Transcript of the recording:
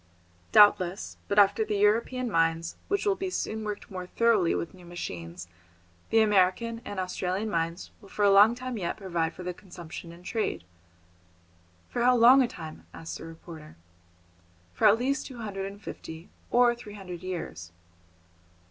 "Doubtless, but after the European mines, which will be soon worked more thoroughly with new machines, the American and Australian mines will for a long time yet provide for the consumption in trade." "For how long a time?" asked the reporter. "For at least two hundred and fifty or three hundred years."